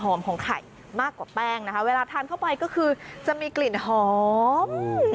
ของไข่มากกว่าแป้งนะคะเวลาทานเข้าไปก็คือจะมีกลิ่นหอม